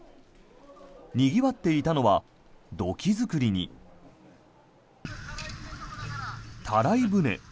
にぎわっていたのは土器作りにたらい舟。